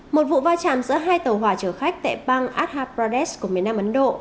một vụ va chạm giữa hai tàu hòa chở khách tại bang adhaprades của miền nam ấn độ